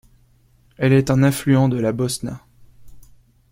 Elle est un affluent de la Bosna.